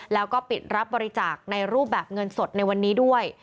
แล้วก็ปิดรับบริจาคในรูปแบบเงินสดในวันนี้ด้วย